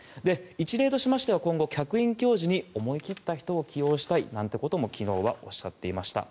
一例としまして今後、客員教授に思い切った人を採用したいと昨日はおっしゃっていました。